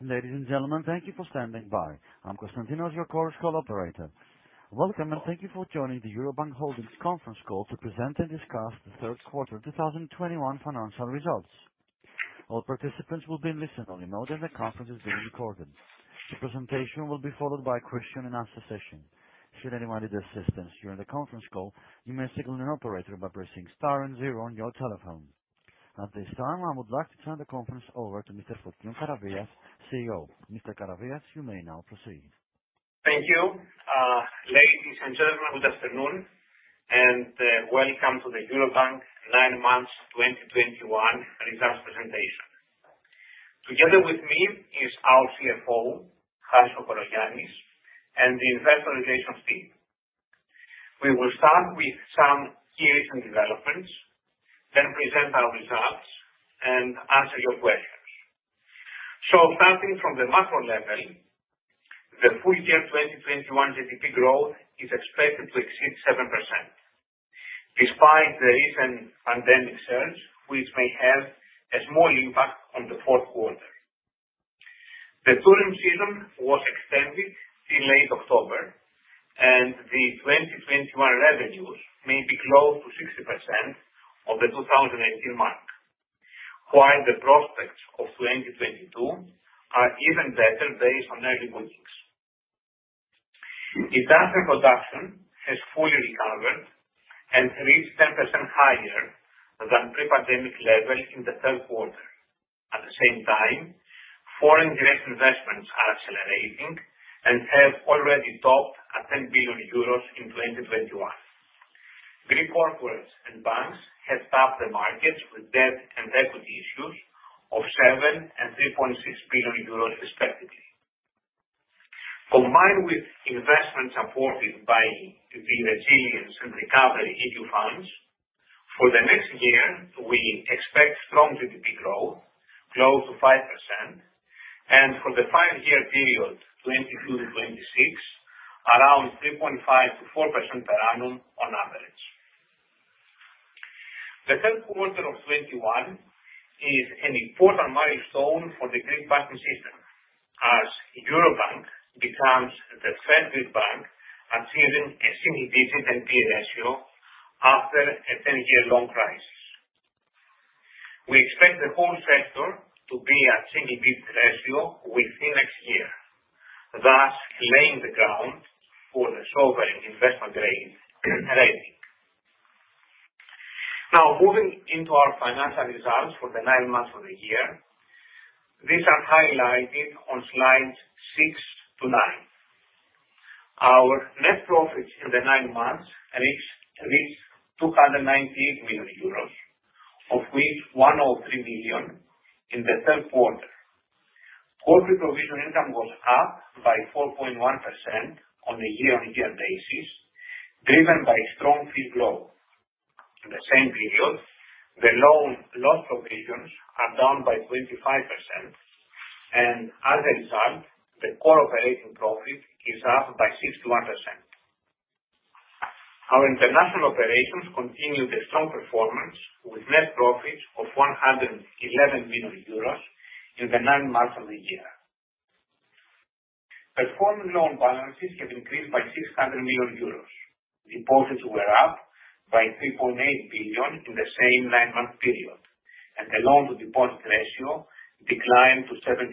Ladies and gentlemen, thank you for standing by. I'm Constantinos, your chorus call operator. Welcome, and thank you for joining the Eurobank Holdings Conference Call to present and discuss the Q3 2021 Financial Results. All participants will be in listen-only mode, and the conference is being recorded. The presentation will be followed by a question and answer session. Should anyone need assistance during the conference call, you may signal an operator by pressing star and zero on your telephone. At this time, I would like to turn the conference over to Mr. Fokion Karavias, CEO. Mr. Karavias, you may now proceed. Thank you. Ladies and gentlemen, good afternoon, and welcome to the Eurobank 9 months 2021 Results Presentation. Together with me is our CFO, Harris Kokologiannis, and the investor relations team. We will start with some key recent developments, then present our results and answer your questions. Starting from the macro level, the full year 2021 GDP growth is expected to exceed 7%, despite the recent pandemic surge, which may have a small impact on the Q4. The tourism season was extended in late October, and the 2021 revenues may be close to 60% of the 2018 mark, while the prospects of 2022 are even better based on early bookings. Industrial production has fully recovered and reached 10% higher than pre-pandemic levels in the Q3. At the same time, foreign direct investments are accelerating and have already topped 10 billion euros in 2021. Greek corporates and banks have tapped the markets with debt and equity issues of 7 billion and 3.6 billion euros respectively. Combined with investments supported by the resilience and recovery EU funds, for the next year, we expect strong GDP growth close to 5%. For the five-year period, 2022-2026, around 3.5%-4% per annum on average. The Q3 of 2021 is an important milestone for the Greek banking system as Eurobank becomes the first Greek bank achieving a single-digit NPL ratio after a 10-year long crisis. We expect the whole sector to be at single-digit ratio within next year, thus laying the ground for the sovereign investment-grade rating. Now, moving into our financial results for the nine months of the year. These are highlighted on slides 6-9. Our net profits in the nine months reached 298 million euros, of which 103 million in the Q3. Core provision income was up by 4.1% on a year-on-year basis, driven by strong fee growth. In the same period, the loan loss provisions are down by 25%, and as a result, the core operating profit is up by 6%. Our international operations continued a strong performance with net profits of 111 million euros in the nine months of the year. Performing loan balances have increased by 600 million euros. Deposits were up by 3.8 billion in the same nine-month period, and the loan-to-deposit ratio declined to 74%.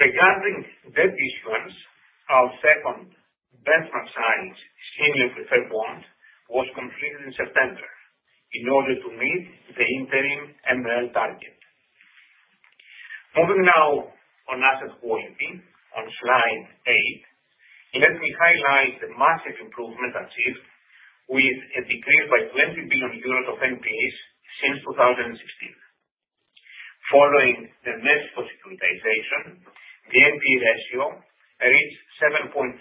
Regarding debt issuance, our second benchmark size senior preferred bond was completed in September in order to meet the interim MREL target. Moving now on asset quality on slide eight, let me highlight the massive improvement achieved with a decrease by 20 billion euros of NPAs since 2016. Following the next securitization, the NPA ratio reached 7.3%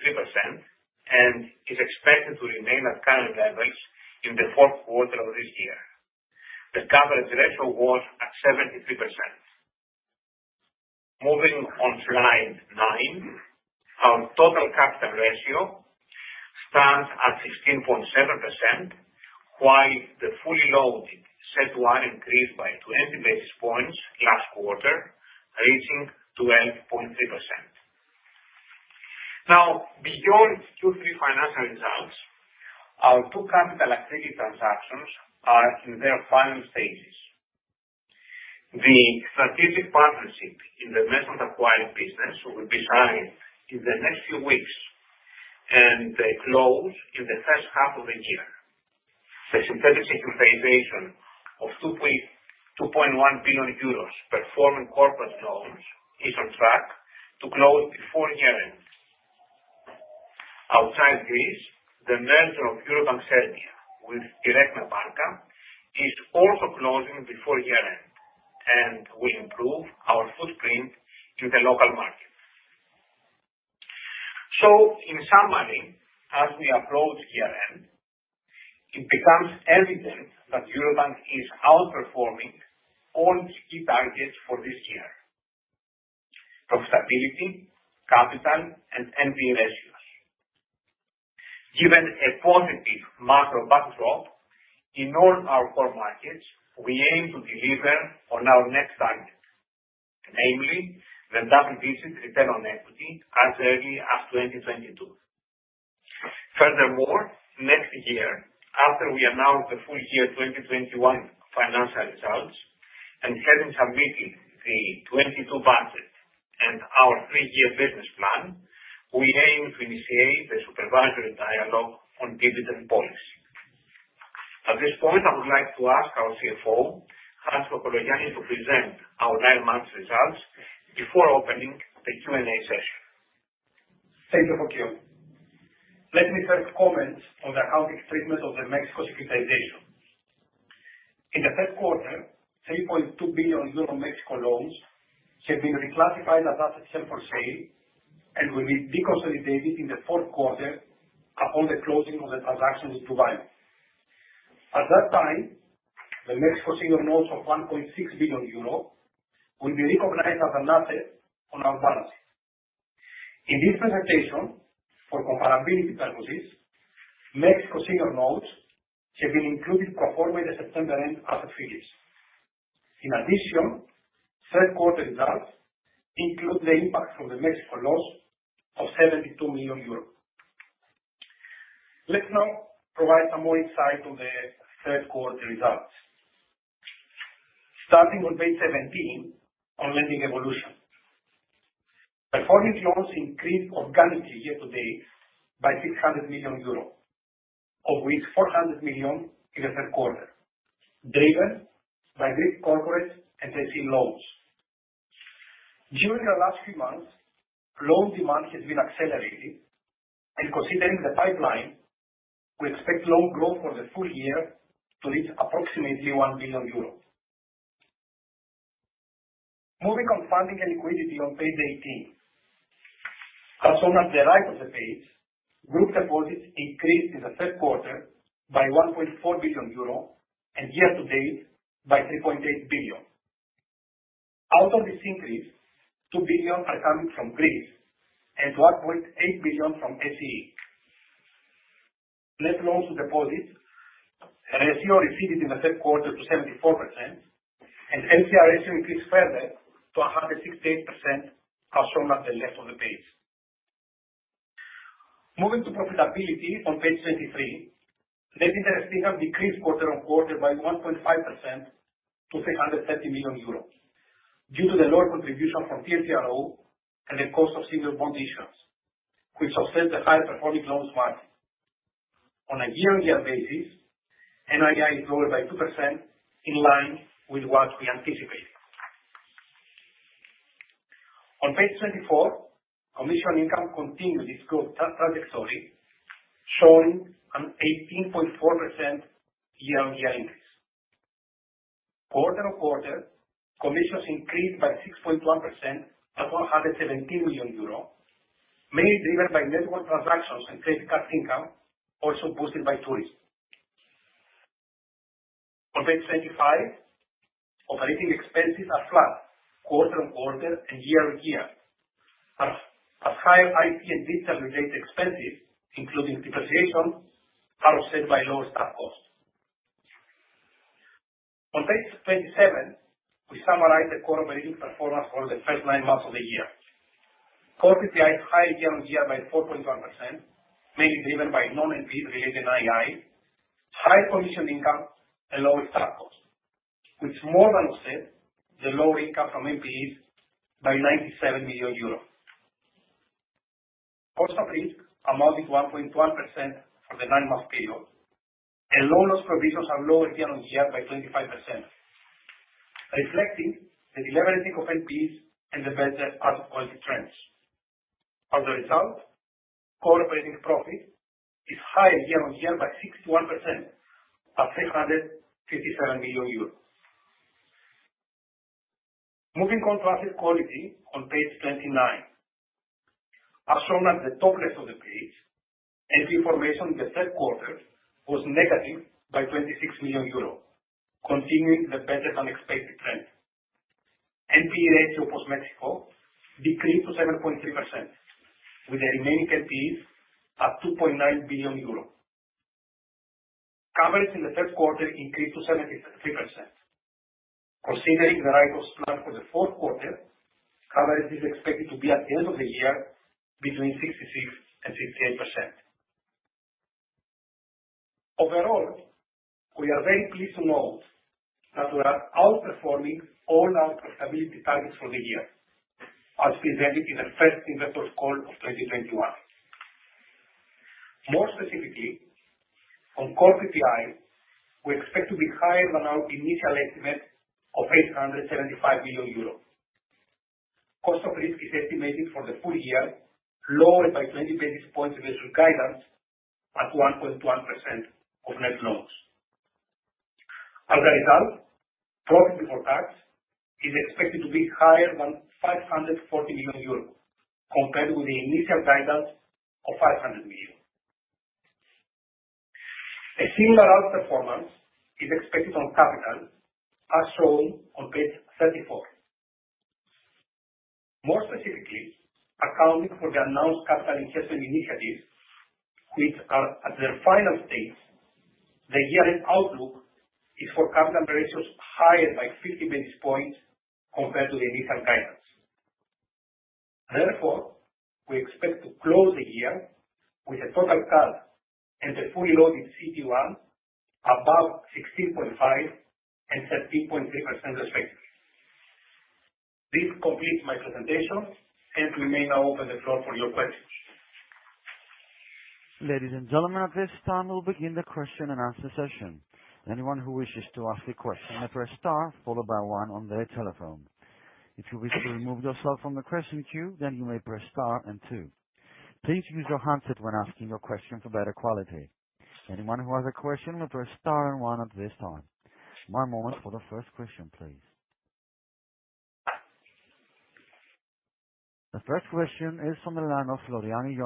and is expected to remain at current levels in the Q4 of this year. The coverage ratio was at 73%. Moving on slide nine, our total capital ratio stands at 16.7%, while the fully loaded CET1 increased by 20 basis points last quarter, reaching 12.3%. Now, beyond Q3 financial results, our two capital activity transactions are in their final stages. The strategic partnership in the merchant acquired business will be signed in the next few weeks and close in the H1 of the year. The synthetic securitization of 2.21 billion euros performing corporate loans is on track to close before year-end. Outside Greece, the merger of Eurobank Serbia with Direktna Banka is also closing before year-end and will improve our footprint in the local market. In summary, as we approach year-end, it becomes evident that Eurobank is outperforming all key targets for this year. Profitability, capital, and NPA ratio. Given a positive macro backdrop in all our core markets, we aim to deliver on our next targets, namely the double-digit return on equity as early as 2022. Furthermore, next year, after we announce the full year 2021 financial results and having submitted the 2022 budget and our three-year business plan, we aim to initiate the supervisory dialogue on dividend policy. At this point, I would like to ask our CFO, Harris Kokologiannis, to present our nine months results before opening the Q&A session. Thank you, Karavias. Let me first comment on the accounting treatment of the Mexico securitization. In the Q3, 3.2 billion euro Mexico loans have been reclassified as assets held for sale and will be deconsolidated in the Q4 upon the closing of the transaction with doValue. At that time, the Mexico senior notes of 1.6 billion euro will be recognized as an asset on our balance sheet. In this presentation, for comparability purposes, Mexico senior notes have been included pro forma in the September-end asset figures. In addition, Q3 results include the impact from the Mexico loss of 72 million euros. Let's now provide some more insight on the Q3 results. Starting on page 17 on lending evolution. Performing loans increased organically year-to-date by 600 million euros, of which 400 million in the Q3, driven by Greek corporate and SME loans. During the last few months, loan demand has been accelerated, and considering the pipeline, we expect loan growth for the full year to reach approximately 1 billion euros. Moving on to funding and liquidity on page 18. As shown at the right of the page, group deposits increased in the Q3 by 1.4 billion euro and year-to-date by 3.8 billion. Out of this increase, 2 billion are coming from Greece and 1.8 billion from SEE. Net loans to deposits ratio receded in the Q3 to 74% and LCR ratio increased further to 168%, as shown at the left of the page. Moving to profitability on page 23. Net interest income decreased quarter-on-quarter by 1.5% to 330 million euros due to the lower contribution from TLTRO and the cost of senior bond issues, which offset the higher performing loans margin. On a year-on-year basis, NII has grown by 2% in line with what we anticipated. On page 24, commission income continued its growth trajectory, showing an 18.4% year-on-year increase. Quarter-over-quarter, commissions increased by 6.1% at 117 million euro, mainly driven by network transactions and credit card income also boosted by tourists. On page 25, operating expenses are flat quarter-over-quarter and year-over-year, as higher IT and digital related expenses, including depreciation, are offset by lower staff costs. On page 27, we summarize the core operating performance for the first nine months of the year. Core PPI is up year-over-year by 4.1%, mainly driven by non-NPE related NII, high commission income and lower staff costs, which more than offset the lower income from NPEs by 97 million euros. Cost of risk amounted to 1.1% for the nine-month period, and loan loss provisions are lower year-over-year by 25%, reflecting the deleveraging of NPEs and the better asset quality trends. As a result, core operating profit is higher year-over-year by 61% at 357 million euros. Moving on to asset quality on page 29. As shown at the top left of the page, NPE formation in the Q3 was negative by 26 million euros, continuing the better-than-expected trend. NPE ratio post Mexico decreased to 7.3%, with the remaining NPEs at 2.9 billion euro. Coverage in the Q3 increased to 73%. Considering the write-offs for the Q4, coverage is expected to be at the end of the year between 66% and 68%. Overall, we are very pleased to note that we are outperforming all our profitability targets for the year as presented in the first investor call of 2021. More specifically, on core PPI, we expect to be higher than our initial estimate of 875 million euros. Cost of risk is estimated for the full year lower by 20 basis points initial guidance at 1.1% of net loans. As a result, profit before tax is expected to be higher than 540 million euros compared with the initial guidance of 500 million euros. A similar outperformance is expected on capital, as shown on page 34. More specifically, accounting for the announced capital investment initiatives which are at their final stage, the year-end outlook is for capital ratios higher by 50 basis points compared to the initial guidance. Therefore, we expect to close the year with a total CAP and a fully loaded CET1 above 16.5% and 13.3% respectively. This completes my presentation, and we may now open the floor for your questions. Ladies and gentlemen, at this time we'll begin the question and answer session. Anyone who wishes to ask a question, press star followed by one on their telephone. If you wish to remove yourself from the question queue, then you may press star and two. Please use your handset when asking your question for better quality. Anyone who has a question may press star and one at this time. One moment for the first question, please. The first question is from the line of Jonas Floriani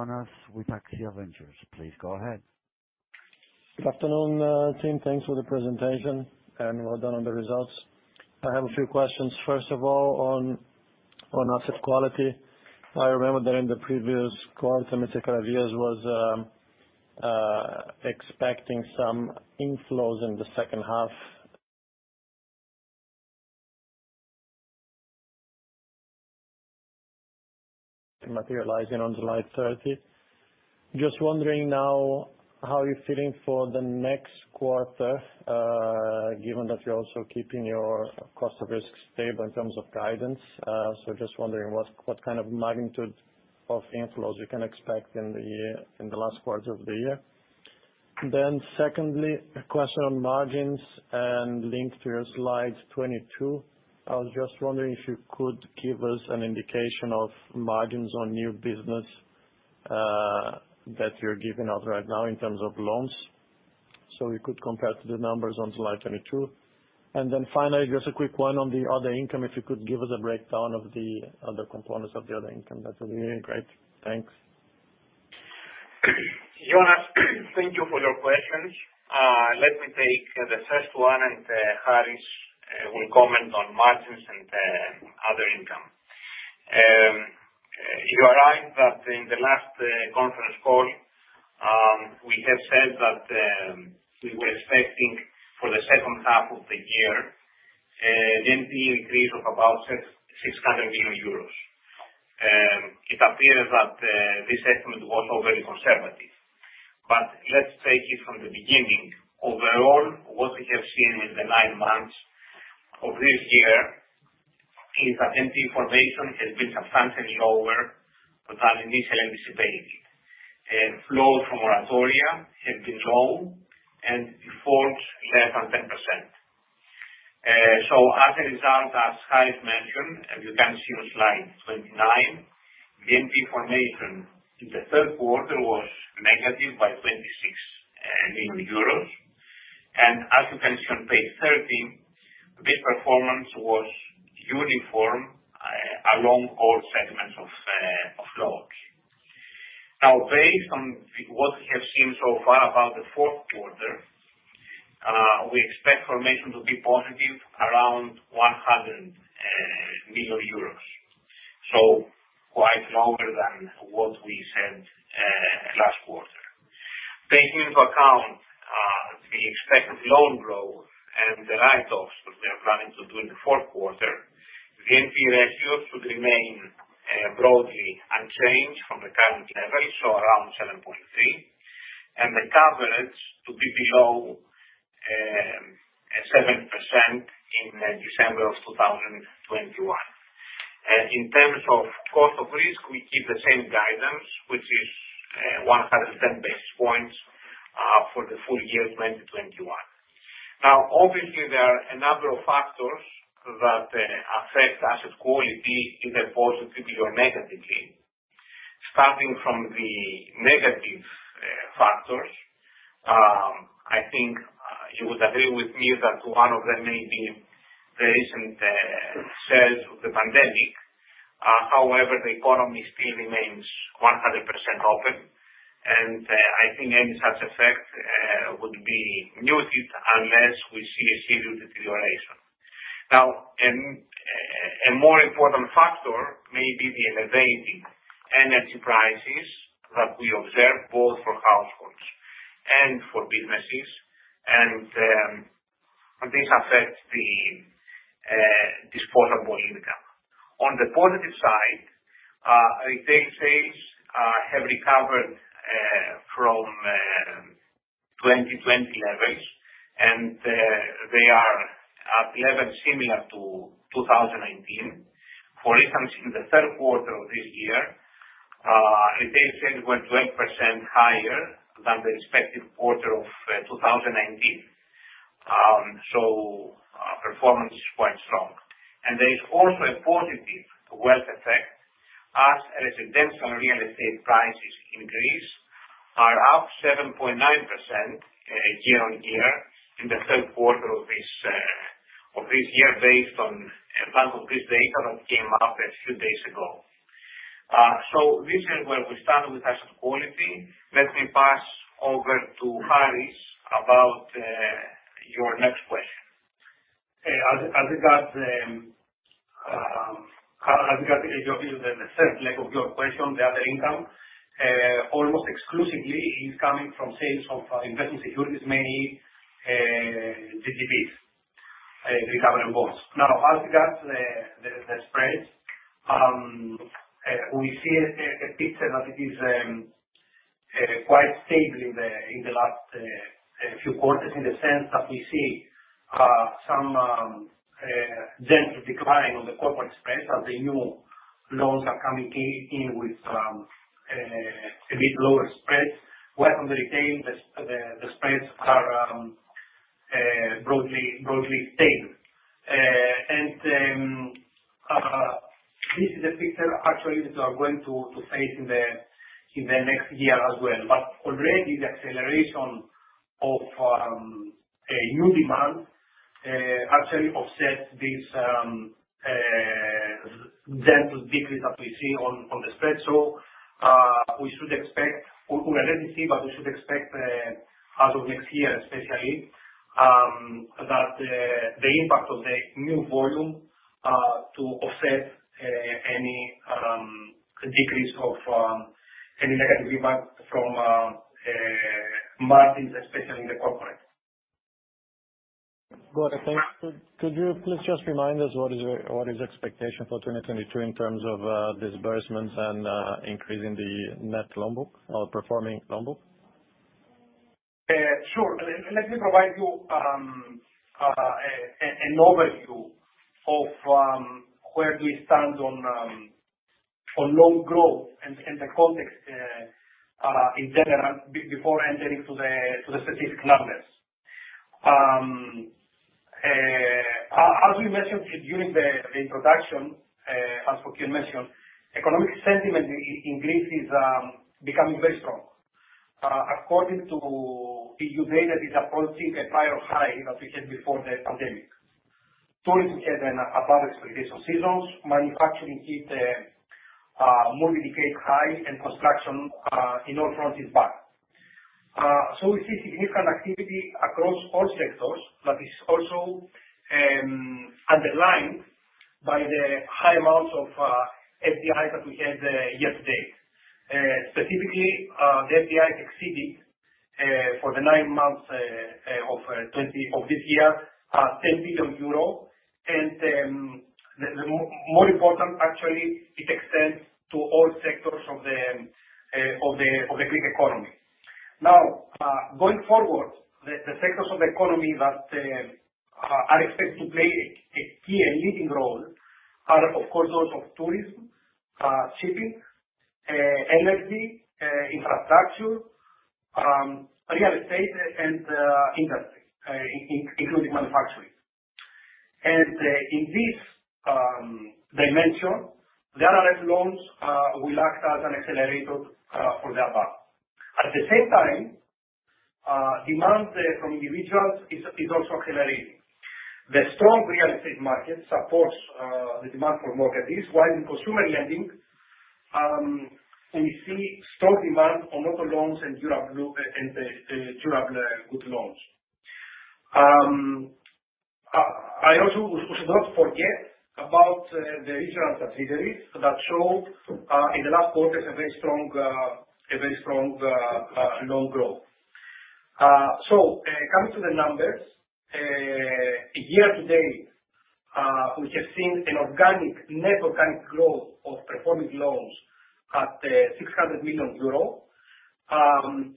with AXIA Ventures. Please go ahead. Good afternoon, team. Thanks for the presentation, and well done on the results. I have a few questions. First of all, on asset quality. I remember that in the previous quarter, Mr. Karavias was expecting some inflows in the H2, materializing on July 30. Just wondering now how you're feeling for the next quarter, given that you're also keeping your cost of risk stable in terms of guidance. So just wondering what kind of magnitude of inflows you can expect in the year, in the last quarter of the year. Then secondly, a question on margins and linked to your slide 22. I was just wondering if you could give us an indication of margins on new business that you're giving out right now in terms of loans, so we could compare to the numbers on slide 22. Finally, just a quick one on the other income, if you could give us a breakdown of the other components of the other income, that'd be great. Thanks. Jonas, thank you for your questions. Let me take the first one, and Harris will comment on margins and other income. You are right that in the last conference call, we have said that we were expecting for the H2 of the year an NPE increase of about 600 million euros. It appears that this estimate was already conservative. Let's take it from the beginning. Overall, what we have seen in the nine months of this year is that NPE formation has been substantially lower than initially anticipated. Flows from moratoria have been low and defaults less than 10%. As a result, as Harris mentioned, as you can see on slide 29, NPE formation in the Q3 was negative by 26 million euros. As you can see on page 13, this performance was uniform along all segments of loans. Now, based on what we have seen so far about the Q4, we expect formation to be positive around 100 million euros, so quite lower than what we said last quarter. Taking into account the expected loan growth and the write-offs that we are planning to do in the Q4, the NPE ratios should remain broadly unchanged from the current level, so around 7.3%, and the coverage to be below 7% in December 2021. In terms of cost of risk, we keep the same guidance, which is 110 basis points for the full year 2021. Now, obviously there are a number of factors that affect asset quality either positively or negatively. Starting from the negative factors, I think you would agree with me that one of them may be the recent surge of the pandemic. However, the economy still remains 100% open, and I think any such effect would be muted unless we see a serious deterioration. Now, a more important factor may be the elevating energy prices that we observe both for households and for businesses, and this affects the disposable income. On the positive side, retail sales have recovered from 2020 levels, and they are at levels similar to 2019. For instance, in the Q3 of this year, retail sales were 12% higher than the respective quarter of 2019. Performance is quite strong. There is also a positive wealth effect as residential real estate prices in Greece are up 7.9%, year-on-year in the Q3 of this year based on a bundle of this data that came up a few days ago. This is where we stand with asset quality. Let me pass over to Harris about your next question. As regards the first leg of your question, the other income almost exclusively is coming from sales of investment securities, mainly GGBs, recovery bonds. Now, as regards the spreads, we see a picture that is quite stable in the last few quarters, in the sense that we see some general decline on the corporate spreads as the new loans are coming in with a bit lower spreads. While on the retail, the spreads are broadly stable. This is a picture actually that we are going to face in the next year as well. Already the acceleration of a new demand actually offsets this general decrease that we see on the spread. We should expect as of next year especially that the impact of the new volume to offset any decrease of any negative impact from margins, especially in the corporate. Got it. Thanks. Could you please just remind us what is expectation for 2022 in terms of disbursements and increase in the net loan book or performing loan book? Sure. Let me provide you an overview of where we stand on loan growth and the context in general before entering to the specific numbers. As we mentioned during the introduction, as Fokion mentioned, economic sentiment in Greece is becoming very strong. According to EU data, it's approaching a prior high that we had before the pandemic. Tourism had an above expectation seasons. Manufacturing hit a multi-decade high. Construction in all fronts is back. We see significant activity across all sectors, but it's also underlined by the high amounts of FDIs that we had year to date. Specifically, the FDI exceeded for the nine months of this year 10 billion euro and the more important actually, it extends to all sectors of the Greek economy. Now, going forward, the sectors of the economy that are expected to play a key and leading role are, of course, those of tourism, shipping, energy, infrastructure, real estate and industry including manufacturing. In this dimension, the RRF loans will act as an accelerator for the above. At the same time, demand from individuals is also accelerating. The strong real estate market supports the demand for mortgages, while in consumer lending, we see strong demand on auto loans and durable goods loans. I also should not forget about the regional subsidiaries that showed, in the last quarter, a very strong loan growth. Coming to the numbers, year to date, we have seen an organic network growth of performing loans at 600 million euro.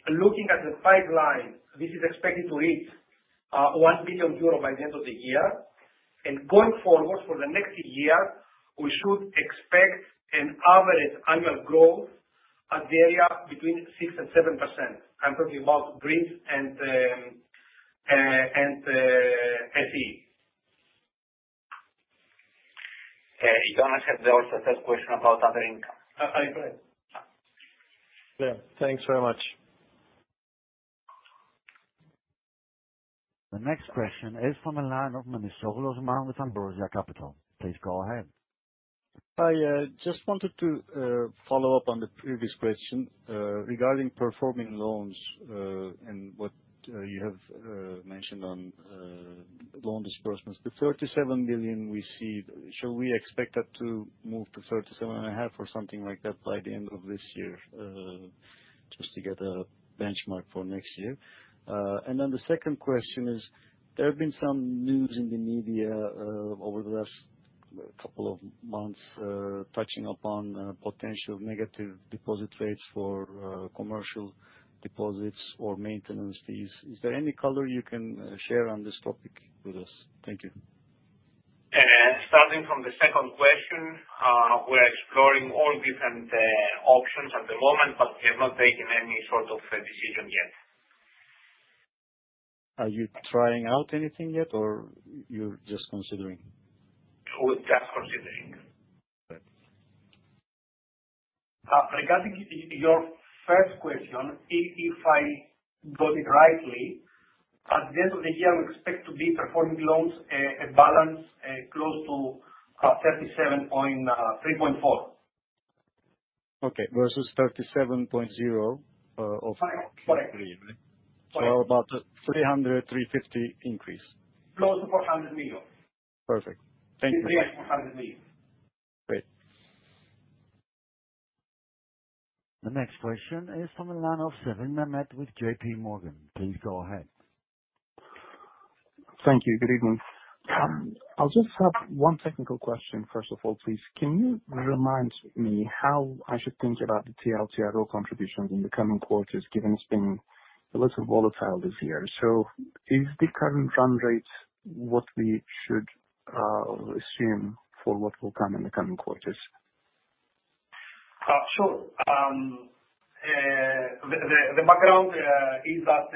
Looking at the pipeline, this is expected to reach 1 billion euro by the end of the year. Going forward for the next year, we should expect an average annual growth in the area between 6%-7%. I'm talking about Greece and SEE. Jonas had also third question about other income. I heard. Yeah. Thanks very much. The next question is from the line of Osman Memisoglu with Ambrosia Capital. Please go ahead. I just wanted to follow up on the previous question regarding performing loans and what you have mentioned on loan disbursements. The 37 billion we see, should we expect that to move to 37.5 billion or something like that by the end of this year? Just to get a benchmark for next year. The second question is, there have been some news in the media over the last couple of months touching upon potential negative deposit rates for commercial deposits or maintenance fees. Is there any color you can share on this topic with us? Thank you. Starting from the second question, we're exploring all different options at the moment, but we have not taken any sort of a decision yet. Are you trying out anything yet or you're just considering? We're just considering. Okay. Regarding your first question, if I got it right. At the end of the year, we expect the performing loans balance close to 37.34 billion. Okay. Versus 37.0, Correct. About 300-350 increase. Close to 400 million. Perfect. Thank you. Yes, EUR 400 million. Great. The next question is from the line of Mehmet Sevim with JPMorgan. Please go ahead. Thank you. Good evening. I just have one technical question first of all, please. Can you remind me how I should think about the TLTRO roll-off contributions in the coming quarters, given it's been a little volatile this year? Is the current run rate what we should assume for what will come in the coming quarters? The background is that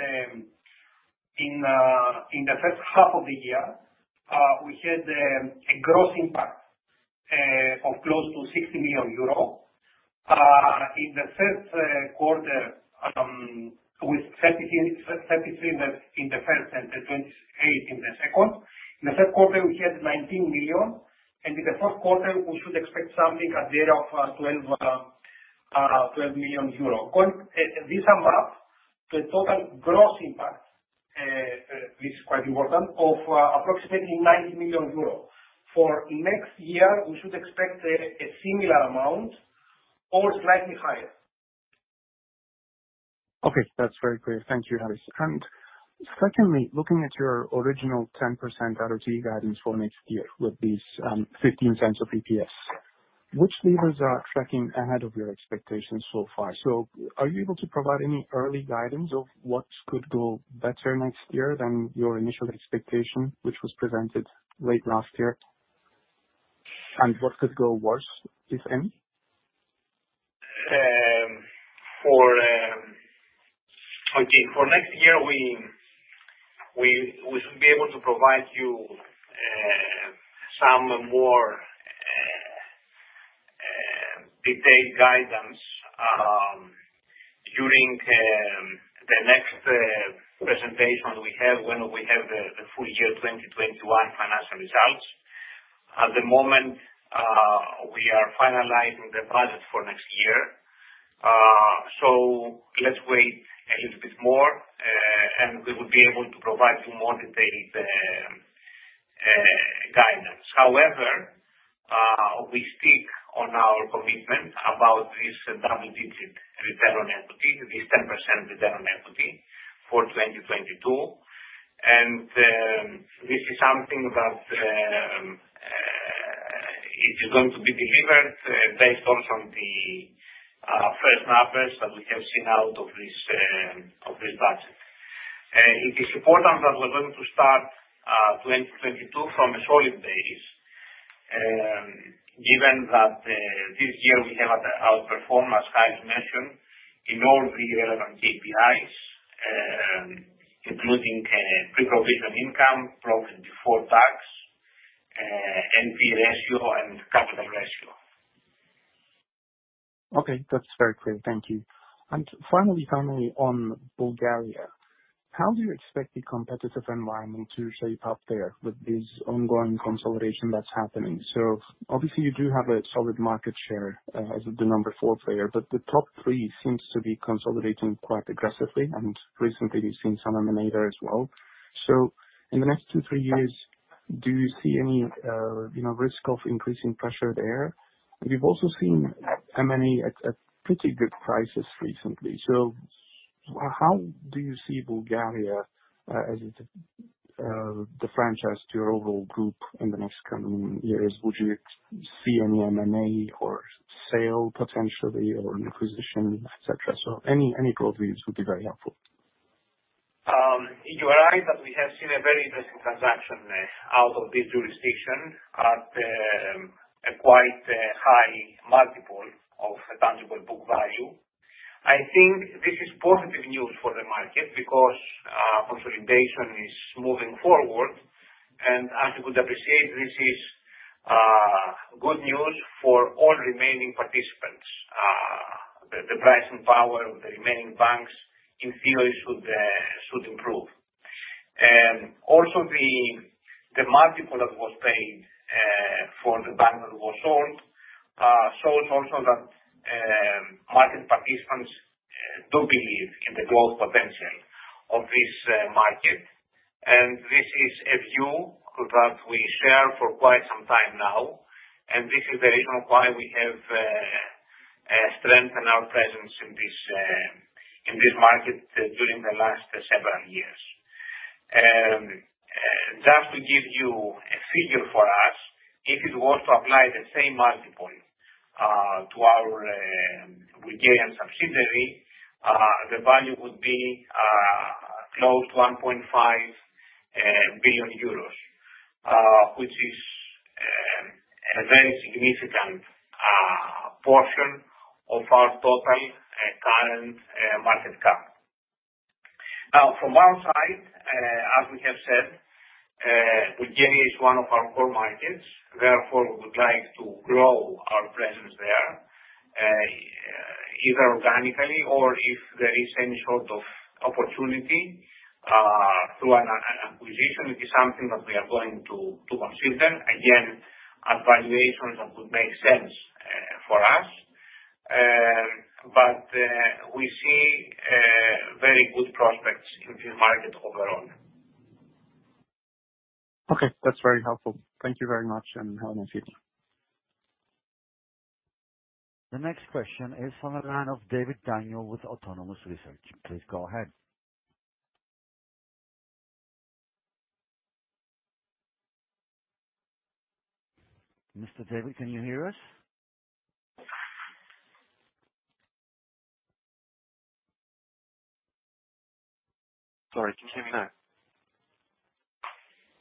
in the H1 of the year we had a gross impact of close to 60 million euro with 33 million in the first and then 28 million in the second. In the Q3 we had 19 million, and in the Q4 we should expect something at the rate of 12 million euro. Going above this, the total gross impact, this is quite important, of approximately 90 million euros. For next year, we should expect a similar amount or slightly higher. Okay. That's very clear. Thank you, Harris. Secondly, looking at your original 10% ROE guidance for next year with these 0.15 of EPS, which levers are tracking ahead of your expectations so far? Are you able to provide any early guidance of what could go better next year than your initial expectation, which was presented late last year? What could go worse the same? Okay, for next year, we should be able to provide you some more detailed guidance during the next presentation we have when we have the full year 2021 financial results. At the moment, we are finalizing the budget for next year. Let's wait a little bit more, and we will be able to provide you more detailed guidance. However, we stick on our commitment about this double-digit Return on Equity, this 10% Return on Equity for 2022. This is something that it is going to be delivered based also on the first numbers that we have seen out of this budget. It is important that we are going to start 2022 from a solid base, given that this year we have outperformed, as Kai mentioned, in all the relevant KPIs, including pre-provision income, profit before tax, NPE ratio, and capital ratio. Okay, that's very clear. Thank you. Finally on Bulgaria, how do you expect the competitive environment to shape up there with this ongoing consolidation that's happening? Obviously you do have a solid market share as the number four player, but the top three seems to be consolidating quite aggressively. Recently we've seen some M&A there as well. In the next two, three years, do you see any risk of increasing pressure there? We've also seen M&A at pretty good prices recently. How do you see Bulgaria as the franchise to your overall group in the next coming years? Would you see any M&A or sale potentially or an acquisition, et cetera? Any broad views would be very helpful. You are right that we have seen a very interesting transaction out of this jurisdiction at a quite high multiple of tangible book value. I think this is positive news for the market because consolidation is moving forward. As you would appreciate, this is good news for all remaining participants. The pricing power of the remaining banks in theory should improve. Also the multiple that was paid for the bank that was sold shows also that market participants do believe in the growth potential of this market. This is a view that we share for quite some time now. This is the reason why we have strengthened our presence in this market during the last seven years. Just to give you a figure for us, if it were to apply the same multiple to our Bulgarian subsidiary, the value would be close to 1.5 billion euros, which is a very significant portion of our total current market cap. Now, from our side, as we have said, Bulgaria is one of our core markets. Therefore, we would like to grow our presence there, either organically or if there is any sort of opportunity through an acquisition, it is something that we are going to consider. Again, a valuation that would make sense for us. We see very good prospects in the market overall. Okay. That's very helpful. Thank you very much, and have a nice evening. The next question is from the line of Daniel David with Autonomous Research. Please go ahead. Mr. David, can you hear us? Sorry, can you hear me now?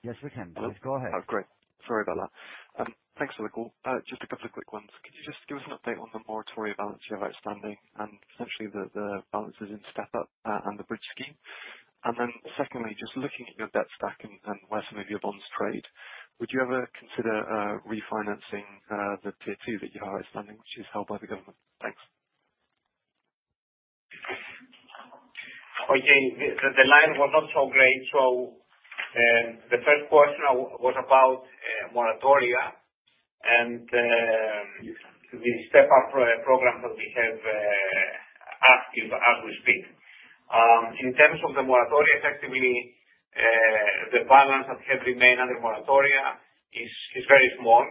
Yes, we can. Please go ahead. Oh, great. Sorry about that. Thanks for the call. Just a couple of quick ones. Could you just give us an update on the moratoria balance you have outstanding and essentially the balances in step up and the bridge scheme? Secondly, just looking at your debt stack and where some of your bonds trade, would you ever consider refinancing the Tier 2 that you have outstanding, which is held by the government? Thanks. Okay. The line was not so great. The first question was about moratoria and the step-up program that we have active as we speak. In terms of the moratoria, effectively, the balance that have remained under moratoria is very small.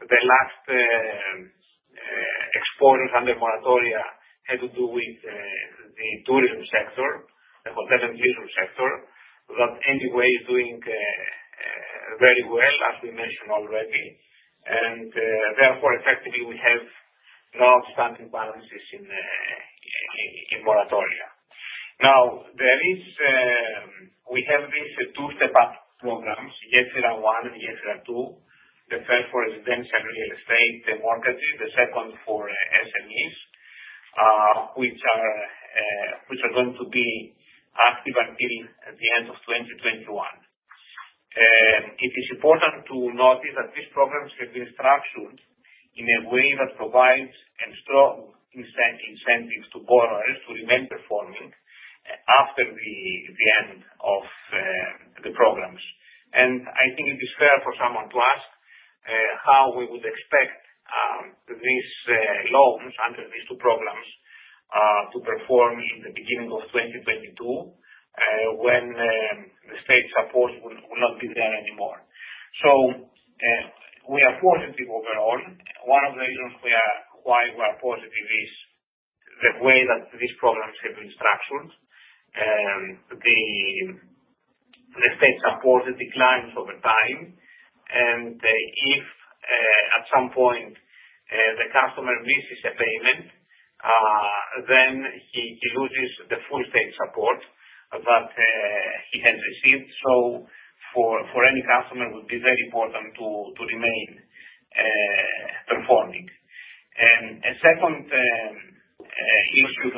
The last exposure under moratoria had to do with the tourism sector, the hotel and tourism sector, that anyway is doing very well, as we mentioned already. Therefore, effectively we have no outstanding balances in moratoria. Now, there is. We have these two step-up programs, Estia 1 and Estia 2. The first for residential real estate, the mortgages. The second for SMEs, which are going to be active until the end of 2021. It is important to notice that these programs have been structured in a way that provides a strong incentives to borrowers to remain performing after the end of the programs. I think it is fair for someone to ask how we would expect these loans under these two programs to perform in the beginning of 2022, when the state support will not be there anymore. We are positive overall. One of the reasons we are positive is the way that these programs have been structured. The state support declines over time, and if at some point the customer misses a payment, then he loses the full state support that he has received. For any customer it would be very important to remain performing. A second issue.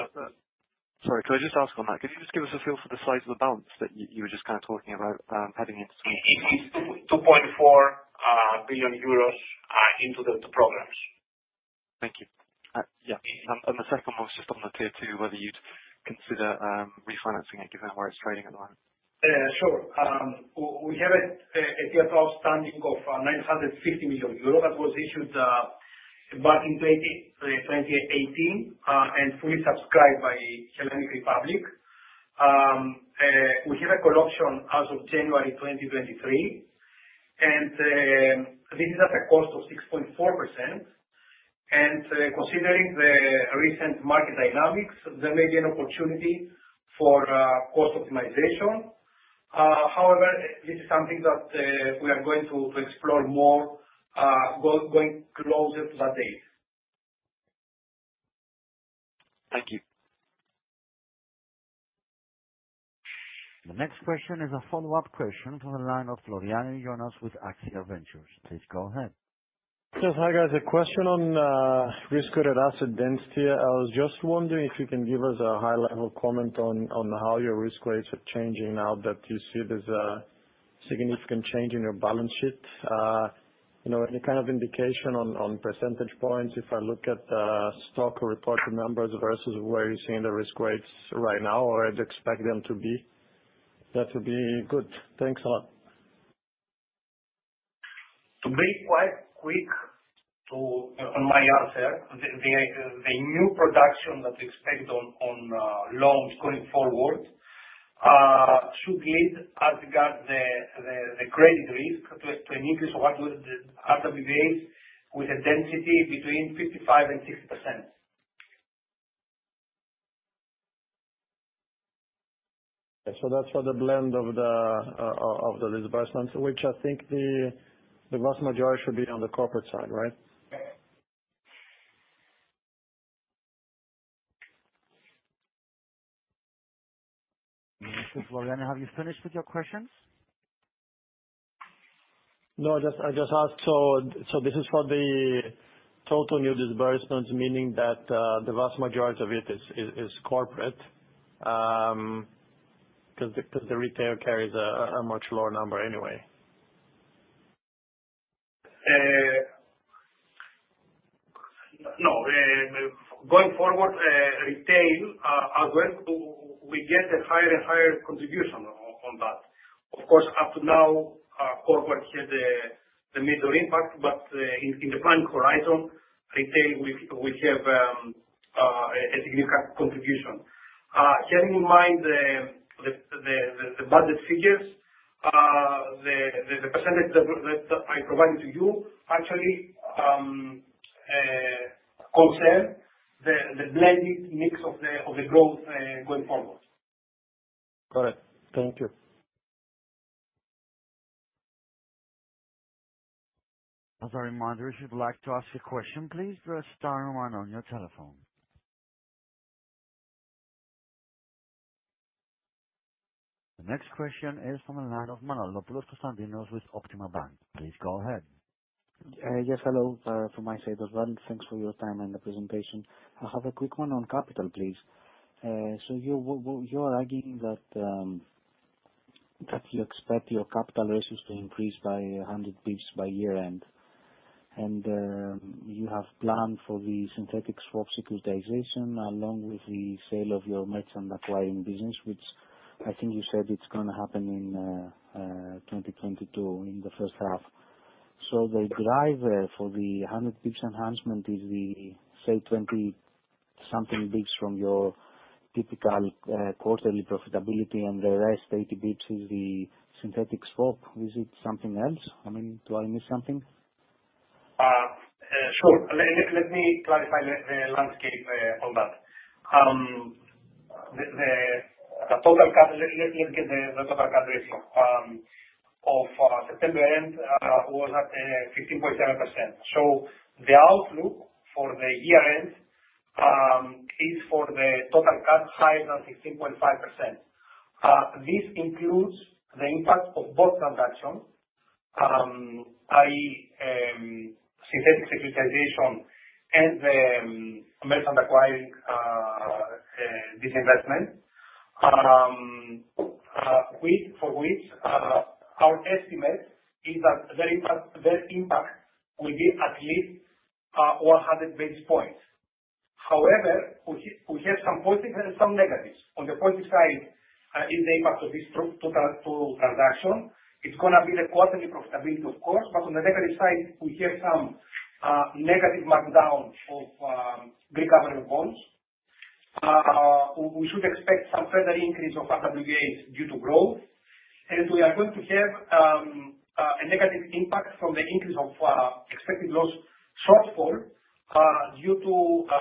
Sorry, could I just ask on that? Could you just give us a feel for the size of the balance that you were just kind of talking about, heading into- It is 2.4 billion euros into the two programs. Thank you. Yeah. The second was just on the Tier 2, whether you'd consider refinancing it given where it's trading at the moment. Sure. We have a tier two outstanding of 950 million euros that was issued back in 2018 and fully subscribed by Hellenic Republic. We have a call option as of January 2023, and this is at a cost of 6.4%. Considering the recent market dynamics, there may be an opportunity for cost optimization. However, this is something that we are going to explore more going closer to that date. Thank you. The next question is a follow-up question from the line of Jonas Floriani with AXIA Ventures Group. Please go ahead. Yes. Hi, guys. A question on risk-weighted asset density. I was just wondering if you can give us a high level comment on how your risk weights are changing now that you see there's a significant change in your balance sheet. You know, any kind of indication on percentage points if I look at stock or reported numbers versus where you're seeing the risk weights right now or you'd expect them to be? That would be good. Thanks a lot. To be quite quick on my answer, the new production that we expect on loans going forward should lead as regards the credit risk to an increase of RWAs with a density between 55%-60%. That's for the blend of the disbursements, which I think the vast majority should be on the corporate side, right? Mr. Floriani, have you finished with your questions? No, I just asked, so this is for the total new disbursements, meaning that the vast majority of it is corporate 'cause the retail carries a much lower number anyway. Going forward, we get a higher and higher contribution on that. Of course, up to now, our corporate had the main impact, but in the planning horizon, retail will have a significant contribution. Keeping in mind the budget figures, the percentage that I provided to you actually concern the blended mix of the growth going forward. Got it. Thank you. As a reminder, if you'd like to ask a question, please press star one on your telephone. The next question is from the line of Konstantinos Manolopoulos with Optima Bank. Please go ahead. Yes, hello. From my side as well, thanks for your time and the presentation. I have a quick one on capital, please. You are arguing that you expect your capital ratios to increase by 100 basis points by year-end. You have planned for the synthetic swap securitization along with the sale of your merchant acquiring business which I think you said it's gonna happen in 2022 in the H1. The driver for the 100 basis points enhancement is the, say, 20-something basis points from your typical quarterly profitability and the rest 80 basis points is the synthetic swap. Is it something else? I mean, do I miss something? Let me clarify the landscape on that. Let's get the total cap ratio of September end was at 15.7%. The outlook for the year end is for the total cap higher than 15.5%. This includes the impact of both transactions, i.e., synthetic securitization and the merchant acquiring disinvestment. For which our estimate is that their impact will be at least 100 basis points. However, we have some positives and some negatives. On the positive side is the impact of this total transaction. It's gonna be the quarterly profitability of course. On the negative side, we have some negative markdown of recovery bonds. We should expect some further increase of RWAs due to growth. We are going to have a negative impact from the increase of expected loss shortfall due to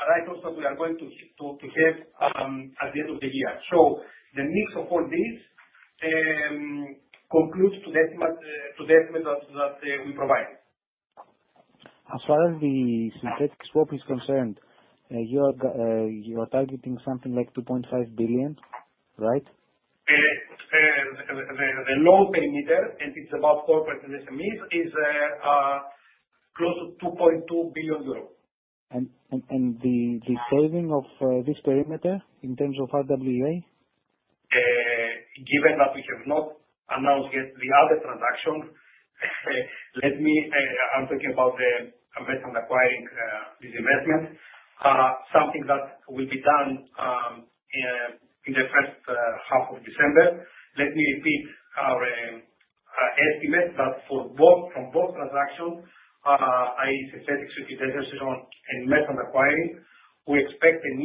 write-offs that we are going to have at the end of the year. The mix of all these concludes to the estimate that we provide. As far as the synthetic swap is concerned, you are targeting something like 2.5 billion, right? The loan perimeter, and it's about corporate and SMEs, is close to 2.2 billion euros. The saving of this perimeter in terms of RWA? Given that we have not announced yet the other transaction, let me. I'm talking about the merchant acquiring disinvestment. Something that will be done in the H1 of December. Let me repeat our estimate that for both, from both transactions, i.e., synthetic securitization and merchant acquiring, we expect an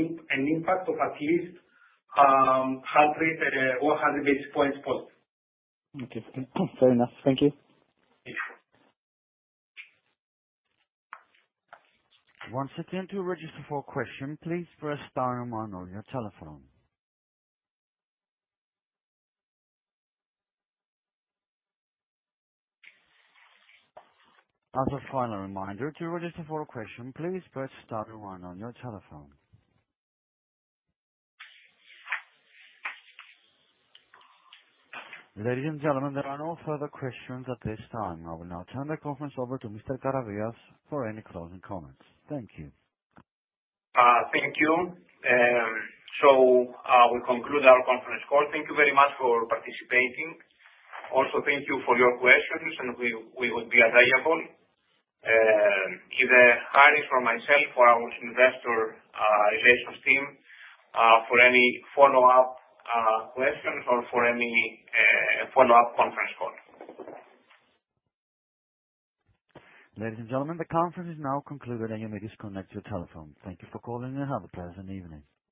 impact of at least 100 basis points both. Okay. Fair enough. Thank you. Yeah. Ladies and gentlemen, there are no further questions at this time. I will now turn the conference over to Mr. Karavias for any closing comments. Thank you. Thank you. We conclude our conference call. Thank you very much for participating. Also, thank you for your questions, and we would be available either Harris or myself or our Investor Relations team for any follow-up questions or for any follow-up conference call. Ladies and gentlemen, the conference is now concluded, and you may disconnect your telephone. Thank you for calling and have a pleasant evening.